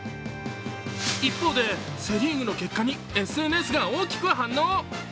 一方でセ・リーグの結果にＳＮＳが大きく反応。